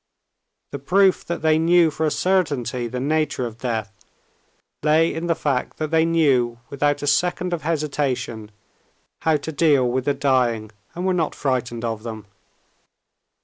The proof that they knew for a certainty the nature of death lay in the fact that they knew without a second of hesitation how to deal with the dying, and were not frightened of them.